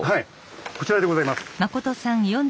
こちらでございます。